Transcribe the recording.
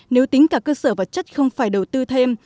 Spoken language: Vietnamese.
nếu tính cả cơ sở vật chất không phải đầu tư thêm